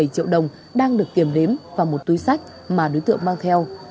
năm trăm hai mươi bảy triệu đồng đang được kiểm đếm vào một túi sách mà đối tượng mang theo